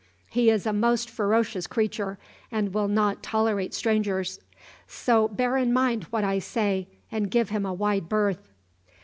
He is a most ferocious creature, and will not tolerate strangers; so bear in mind what I say and give him a wide berth."